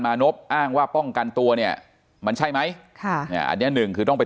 มานพอ้างว่าป้องกันตัวเนี่ยมันใช่ไหมอันนี้๑คือต้องได้